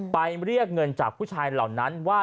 เรียกเงินจากผู้ชายเหล่านั้นว่า